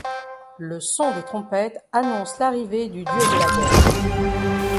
Le son des trompettes annonce l’arrivée du dieu de la guerre.